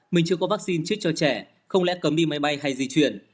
mình chưa có vaccine trích cho trẻ không lẽ cấm đi máy bay hay di chuyển